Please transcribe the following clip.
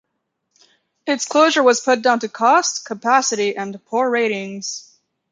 Its closure was put down to cost, capacity and poor ratings.